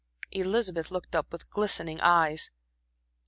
Elizabeth looked up with glistening eyes.